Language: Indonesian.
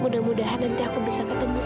mudah mudahan nanti aku bisa ketemu sama papanya